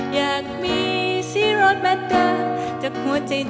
อยากมีสีโรดแบบเดิมต้องรัวทรงแห่งใจที่มีพอสีอันนี้